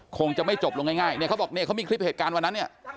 คงจะไม่จบลงง่ายเขาบอกมีคลิปเหตุการณ์วันนั้นเนี่ย